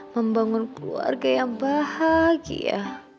membangun keluarga yang bahagia